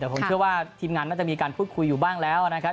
แต่ผมเชื่อว่าทีมงานน่าจะมีการพูดคุยอยู่บ้างแล้วนะครับ